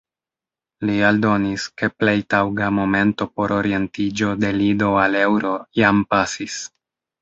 Li aldonis, ke plej taŭga momento por orientiĝo de lido al eŭro jam pasis.